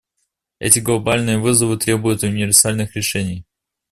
Эти глобальные вызовы требуют универсальных решений.